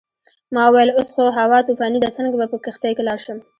ما وویل اوس خو هوا طوفاني ده څنګه به په کښتۍ کې لاړ شم.